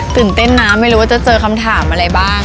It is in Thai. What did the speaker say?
ตื่นเต้นนะไม่รู้ว่าจะเจอคำถามอะไรบ้าง